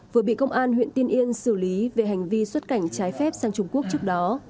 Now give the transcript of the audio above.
vừa bị công an huyện tiên yên xử lý về hành vi xuất cảnh trái phép sang trung quốc trước đó